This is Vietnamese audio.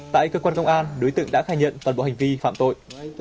tại cơ quan công an đối tượng đã khai nhận toàn bộ hành vi phạm tội